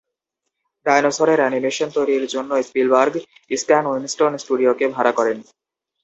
ডাইনোসরের এনিমেশন তৈরির জন্য স্পিলবার্গ "স্ট্যান উইনস্টন স্টুডিও"-কে ভাড়া করেন।